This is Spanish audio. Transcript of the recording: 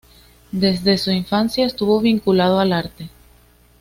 Desde su infancia estuvo vinculado al arte.